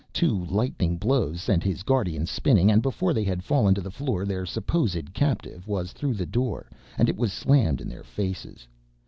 Two lightning blows sent his guardians spinning, and before they had fallen to the floor their supposed captive was through the door and it was slammed in their faces.